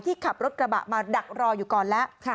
ขับรถกระบะมาดักรออยู่ก่อนแล้ว